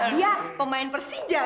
dia pemain persija kan